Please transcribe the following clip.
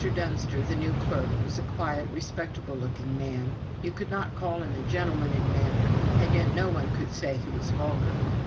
Dunster, the new clerk, was a quiet, respectable looking man; you could not call him a gentleman in manner, and yet no one could say he was vulgar.